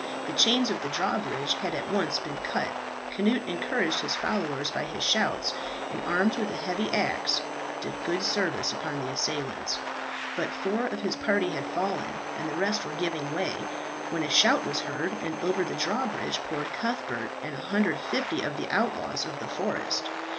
The chains of the drawbridge had at once been cut. Cnut encouraged his followers by his shouts, and armed with a heavy axe, did good service upon the assailants. But four of his party had fallen, and the rest were giving way, when a shout was heard, and over the drawbridge poured Cuthbert and 150 of the outlaws of the forest.